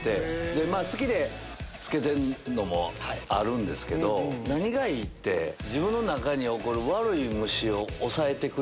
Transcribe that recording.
で好きで着けてるのもあるんですけど何がいいって自分の中に起こる。